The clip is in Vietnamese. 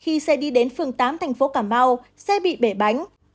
người chạy đi đến phường tám thành phố cà mau xe bị bể bánh